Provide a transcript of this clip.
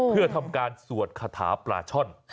เพื่อทำการสวดคาถาปลาช่อน